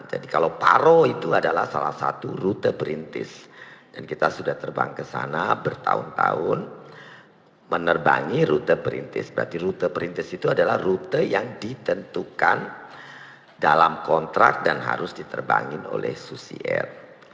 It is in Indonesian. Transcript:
jadi kalau paro itu adalah salah satu rute perintis dan kita sudah terbang kesana bertahun tahun menerbangi rute perintis berarti rute perintis itu adalah rute yang ditentukan dalam kontrak dan harus diterbangin oleh susi air